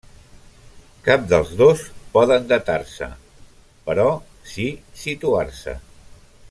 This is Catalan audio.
Cap dels dos poden datar-se, però sí situar-se.